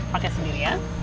pakai sendiri ya